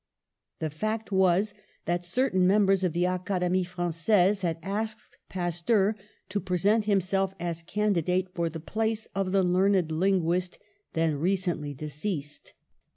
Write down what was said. The fact was that certain members of the Academie Frangaise had asked Pasteur to present himself as candidate for the place of the learned linguist, then recently de ceased.